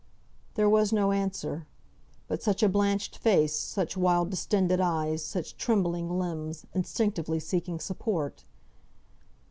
There was no answer; but such a blanched face, such wild, distended eyes, such trembling limbs, instinctively seeking support!